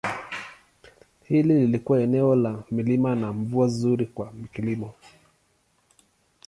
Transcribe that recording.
Hili lilikuwa eneo la milima na mvua nzuri kwa kilimo.